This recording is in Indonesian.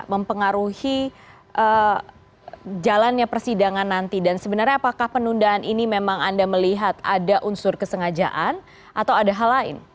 mempengaruhi jalannya persidangan nanti dan sebenarnya apakah penundaan ini memang anda melihat ada unsur kesengajaan atau ada hal lain